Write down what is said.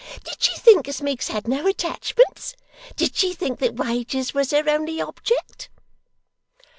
Did she think as Miggs had no attachments! Did she think that wages was her only object!